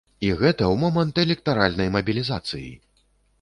І гэта ў момант электаральнай мабілізацыі!